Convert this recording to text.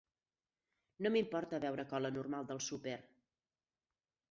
No m'importa beure cola normal del súper.